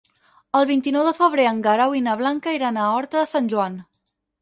El vint-i-nou de febrer en Guerau i na Blanca iran a Horta de Sant Joan.